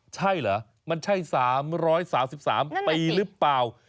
ใช่เหรอมันใช่๓๓ปีหรือเปล่า